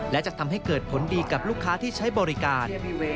และจะทำให้เกิดผลดีกับลูกค้าที่ใช้บริการ